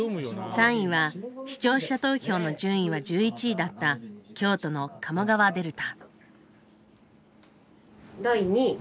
３位は視聴者投票の順位は１１位だった「京都の鴨川デルタ」。